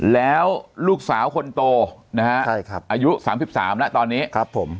แล้วลูกสาวคนโตนะฮะใช่ครับอายุ๓๓แล้วตอนนี้ครับผม